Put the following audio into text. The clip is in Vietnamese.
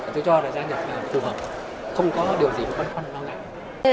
tôi cho là gia nhập này phù hợp không có điều gì quan quan lo ngại